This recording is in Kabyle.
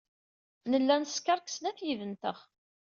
Nella neskeṛ deg snat yid-neɣ.